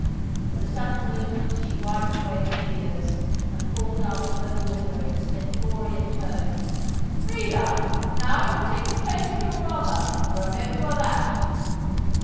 With a sudden movement she wiped away her tears and called after her daughter in stentorian tones: "Freda, now you'll take the place of your mother! Remember that!"